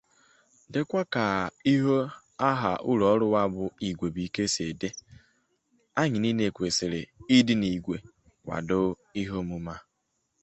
wee ruzie ugbua aka ndị uweojii kpààrà ya.